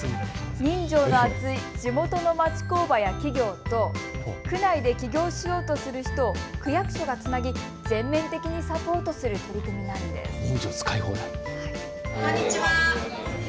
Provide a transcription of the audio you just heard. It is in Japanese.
人情の厚い地元の町工場や企業と区内で起業しようとする人を区役所がつなぎ全面的にサポートする取り組みなんです。